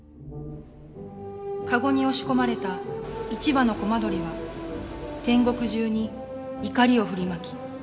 「かごに押し込まれた一羽のコマドリは天国中に怒りを振りまき」